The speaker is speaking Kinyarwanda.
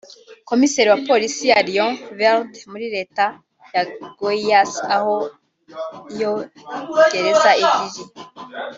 Komiseri wa polisi ya Rio Verde muri Leta ya Goias aho iyo gereza iri